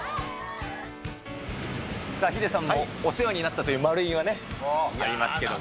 さあ、ヒデさんもお世話になったというマルイがね、ありますけれども。